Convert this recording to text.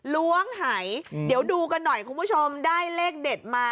ล้วงหายเดี๋ยวดูกันหน่อยคุณผู้ชมได้เลขเด็ดมา